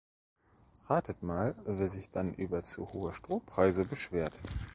Ratet mal, wer sich dann über zu hohe Strompreise beschwert.